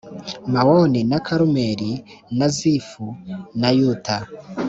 mawoni na karumeli na zifu na yuta